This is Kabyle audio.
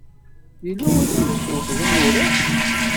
Yella wasmi ay tuwyeḍ imuras?